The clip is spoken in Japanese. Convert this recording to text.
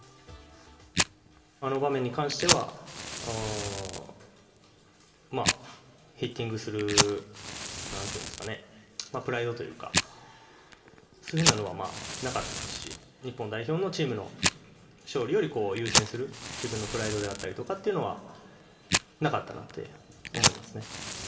あの場面に関しては、ヒッティングする、なんていうんですかね、プライドというか、そういうふうなのはなかったですし、日本代表のチームの勝利より優先する自分のプライドであったりとかっていうのは、なかったって思いますね。